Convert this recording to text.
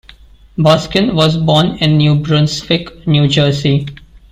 Baskin was born in New Brunswick, New Jersey.